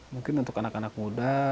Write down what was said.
mungkin untuk anak anak muda